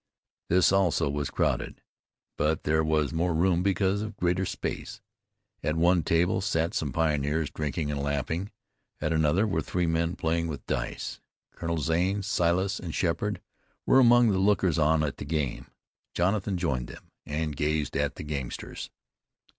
This also was crowded, but there was more room because of greater space. At one table sat some pioneers drinking and laughing; at another were three men playing with dice. Colonel Zane, Silas, and Sheppard were among the lookers on at the game. Jonathan joined them, and gazed at the gamesters.